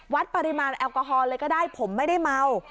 วัดปริมาณแอลกอฮอลเลยก็ได้ผมไม่ได้เมา